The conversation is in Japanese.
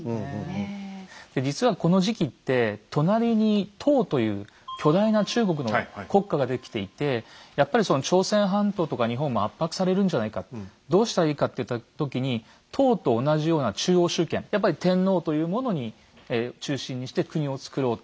で実はこの時期って隣に唐という巨大な中国の国家ができていてやっぱり朝鮮半島とか日本も圧迫されるんじゃないかどうしたらいいかといった時に唐と同じような中央集権やっぱり天皇というものに中心にして国をつくろう。